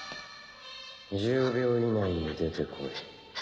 １０秒以内に出てこい。